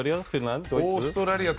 オーストラリア？